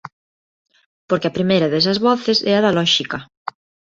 Porque a primeira desas voces é a da lóxica.